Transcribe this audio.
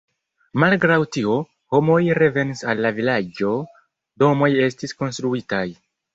Malgraŭ tio, homoj revenis al la vilaĝo, domoj estis konstruitaj.